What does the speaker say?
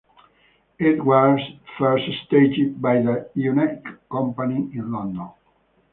It was first staged by the United Company in London.